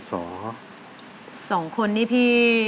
อยากเรียน